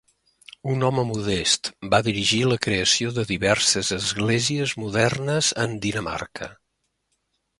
Un home modest, va dirigir la creació de diverses esglésies modernes en Dinamarca.